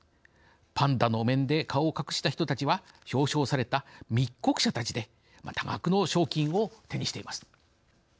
パンダのお面で顔を隠した人たちは表彰された密告者たちで多額の賞金を手にしています。